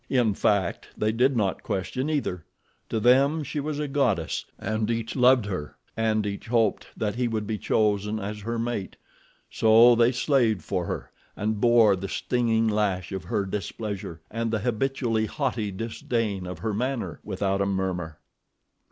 In fact they did not question either. To them she was a goddess and each loved her and each hoped that he would be chosen as her mate, so they slaved for her and bore the stinging lash of her displeasure and the habitually haughty disdain of her manner without a murmur.